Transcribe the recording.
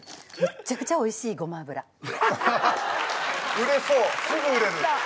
売れそうすぐ売れる！